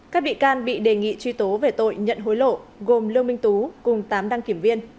các bị can bị đề nghị truy tố về tội nhận hối lộ gồm lương minh tú cùng tám đăng kiểm viên